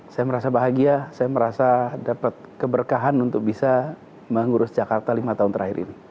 saya merasa bahagia saya merasa dapat keberkahan untuk bisa mengurus jakarta lima tahun terakhir ini